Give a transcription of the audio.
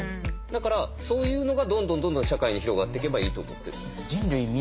だからそういうのがどんどんどんどん社会に広がっていけばいいと思ってる。